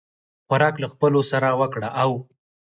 خوراک له خپلو سره وکړه او